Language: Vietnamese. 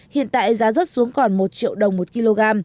hiện tại giá rớt xuống còn một triệu đồng một kg